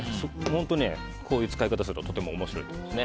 こういう使い方をするととても面白いと思います。